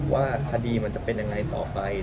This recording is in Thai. ว่าคดีมันจะเป็นยังไงต่อไป